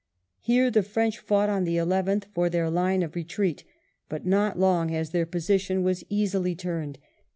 Here the French fought on the 11th for their line of retreat^ but not long, as their position was easily turned ; WELLINGTON chap.